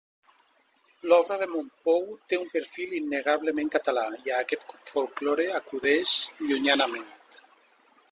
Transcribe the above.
L'obra de Mompou té un perfil innegablement català i a aquest folklore acudeix llunyanament.